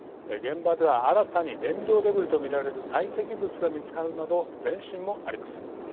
現場では新たに燃料デブリとみられる堆積物が見つかるなど前進もあります。